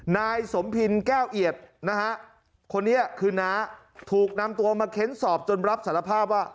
นายสมพินแก้วเอียดนะฮะคนนี้คือน้าถูกนำตัวมาเค้นสอบจนรับสารภาพว่า